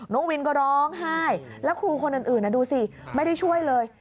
น้องวินก็ร้องไห้แล้วครูคนอื่นดูสิไม่ได้ช่วยเลย